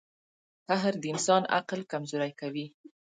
• قهر د انسان عقل کمزوری کوي.